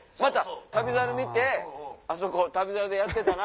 『旅猿』見てあそこ『旅猿』でやってたな。